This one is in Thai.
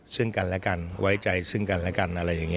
ซึ่งกันและกันไว้ใจซึ่งกันและกันอะไรอย่างนี้